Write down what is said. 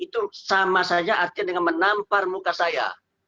itu sama saja artinya dengan menampar muka saya